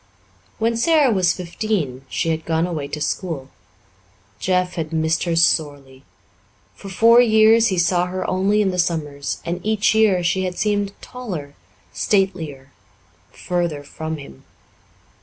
When Sara was fifteen she had gone away to school. Jeff had missed her sorely. For four years he saw her only in the summers, and each year she had seemed taller, statelier, further from him.